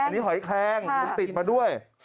มีหอยแคลงมันติดมาด้วย